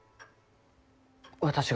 私が？